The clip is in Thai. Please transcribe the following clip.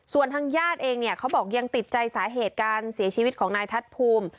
ส่วนทางญาติเองเนี่ยเขาบอกยังติดใจสาเหตุการเสียชีวิตของนายทัศน์ภูมิ